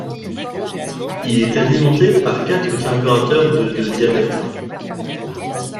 Il est alimenté par quatre carburateurs de de diamètre.